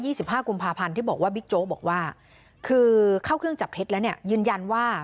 สิบห้ากุมภาพันธ์ที่บอกว่าบิ๊กโจ๊กบอกว่าคือเข้าเครื่องจับเท็จแล้วเนี่ยยืนยันว่า